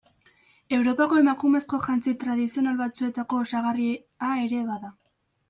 Europako emakumezko jantzi tradizional batzuetako osagarria ere bada.